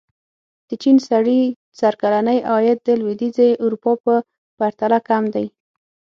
د چین سړي سر کلنی عاید د لوېدیځې اروپا په پرتله کم دی.